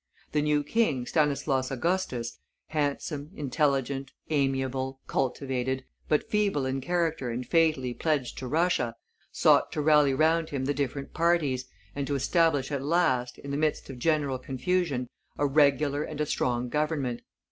The new king, Stanislaus Augustus, handsome, intelligent, amiable, cultivated, but feeble in character and fatally pledged to Russia, sought to rally round him the different parties, and to establish at last, in the midst of general confusion, a regular and a strong government.